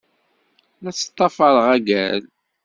La ttḍafareɣ agal.